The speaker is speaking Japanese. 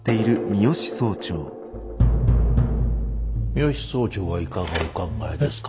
三芳総長はいかがお考えですか？